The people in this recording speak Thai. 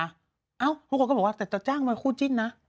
เอ้าทุกคนก็บอกว่าแต่จะจ้างมาคู่จิ้นนะ